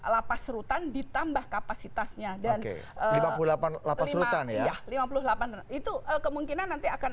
lima puluh delapan russell tan ditambah kapasitasnya dan have delapan puluh delapan moluss dok udaknya healthy remus delapan itu kemungkinan nanti akan